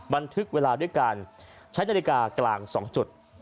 บันทึกเวลาด้วยการใช้นาฬิกากลาง๒จุด